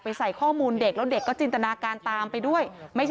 ใส่ข้อมูลเด็กแล้วเด็กก็จินตนาการตามไปด้วย